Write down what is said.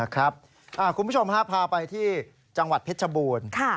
คุณผู้ชมพาไปที่จังหวัดเพชรชบูรณ์